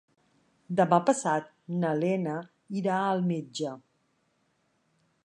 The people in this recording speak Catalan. Demà passat na Lena irà al metge.